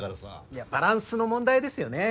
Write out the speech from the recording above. いやバランスの問題ですよね。